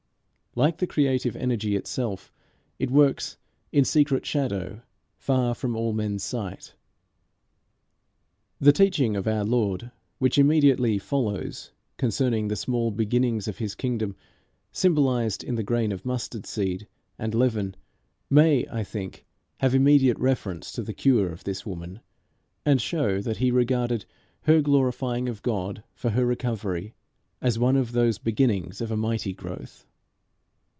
Like the creative energy itself, it works "in secret shadow, far from all men's sight." The teaching of our Lord which immediately follows concerning the small beginnings of his kingdom, symbolized in the grain of mustard seed and the leaven, may, I think, have immediate reference to the cure of this woman, and show that he regarded her glorifying of God for her recovery as one of those beginnings of a mighty growth.